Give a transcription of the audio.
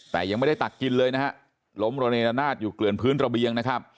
แต่ไม่ได้ตักกินเลยนะล้มโรเนณาทอยู่เกือบพื้นระเบียง